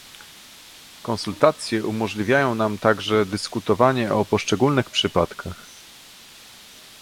Konsultacje umożliwiają nam także dyskutowanie o poszczególnych przypadkach